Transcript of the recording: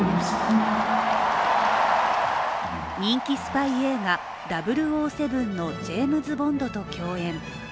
人気スパイ映画「００７」のジェームズ・ボンドと共演。